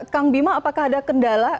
kang bima apakah ada kendala